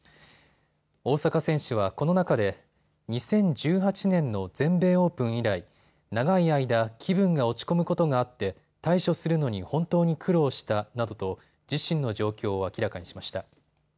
大坂選手はこの中で２０１８年の全米オープン以来、長い間、気分が落ち込むことがあって対処するのに本当に苦労したなどと自身の状況を明らかにしました。